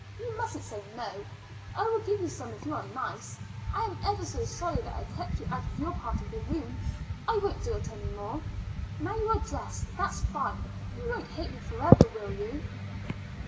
You mustn't say no; I will give you some if you are nice. I am ever so sorry that I kept you out of your part of the room; I won't do it any more. Now you are dressed; that's fine. You won't hate me forever, will you?"